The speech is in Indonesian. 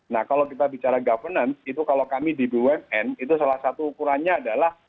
nah kalau kita bicara governance itu kalau kami di bumn itu salah satu ukurannya adalah